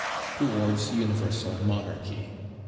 towards universal monarchy.